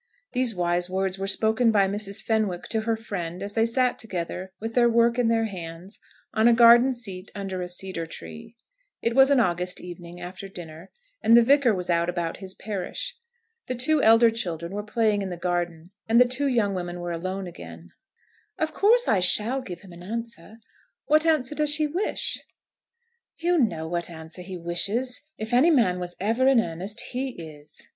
These wise words were spoken by Mrs. Fenwick to her friend as they sat together, with their work in their hands, on a garden seat under a cedar tree. It was an August evening after dinner, and the Vicar was out about his parish. The two elder children were playing in the garden, and the two young women were alone together. [Illustration: "You should give him an answer, dear, one way or the other."] "Of course I shall give him an answer. What answer does he wish?" "You know what answer he wishes. If any man was ever in earnest he is."